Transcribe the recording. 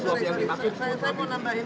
suap yang dimakut apa itu